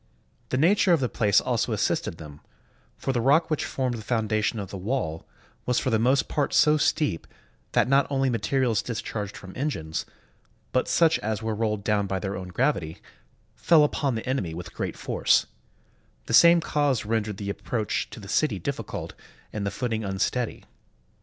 The nature of the place also assisted them ; for the rock which formed the foundation of the wall was for the most part so steep that not only materials discharged from engines, but such as were rolled down by their own gravity, fell upon the enemy with great force; the same cause rendered the approach to the city difficult and the footing unsteady.